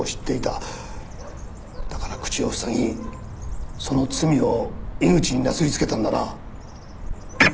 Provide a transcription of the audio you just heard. だから口をふさぎその罪を井口になすりつけたんだな？